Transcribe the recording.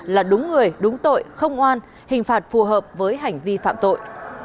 là đúng người đúng tội không oan hình phạt phù hợp với hành vi phạm tội